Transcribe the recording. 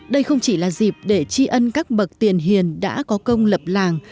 đây không chỉ là dịp để tri ân các bậc tiền hiền đã có công lập làng